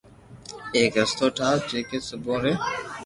ايڪ رستو ٺاو جڪي سبو ري